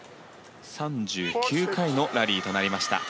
３９回のラリーとなりました。